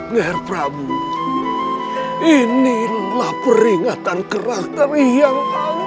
nger prabu inilah peringatan keras dari yang